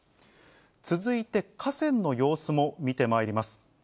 続いて河川の様子も見てまいります。